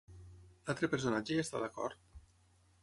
L'altre personatge hi està d'acord?